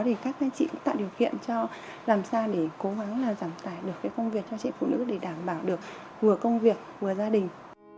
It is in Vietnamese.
thì chị cũng tạo điều kiện cho làm sao để cố gắng giảm tài được công việc cho chị phụ nữ để đảm bảo được vừa công việc vừa gia đình